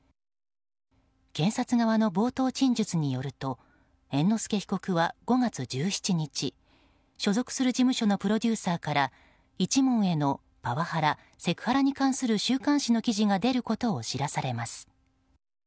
検察側の冒頭陳述によると猿之助被告は５月１７日所属する事務所のプロデューサーから一門へのパワハラ・セクハラに関する週刊誌の記事が出ることを知らされます。